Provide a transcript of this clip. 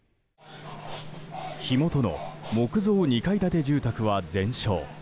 火元の木造２階建て住宅は全焼。